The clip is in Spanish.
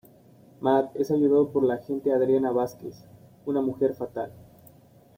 Matt es ayudado por la agente Adriana Vasquez, una mujer fatal.